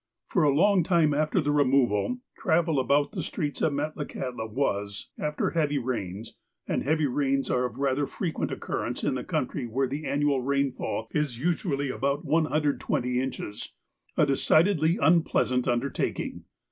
For a long time after the removal, travel about the streets of Metlakahtla was, after heavy rains (and heavy rains are of rather frequent occurrence in a country where the annual rainfall is usually about 120 inches), a decid edly unpleasant undertaking.